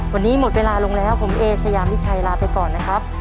วันนี้หมดเวลาลงแล้วผมเอเชยามิชัยลาไปก่อนนะครับ